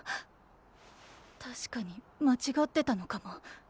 確かにまちがってたのかも。